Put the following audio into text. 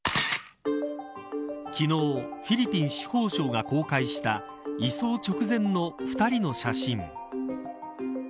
昨日、フィリピン司法省が公開した移送直前の２人の写真。